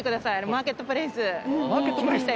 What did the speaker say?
マーケットプレイス。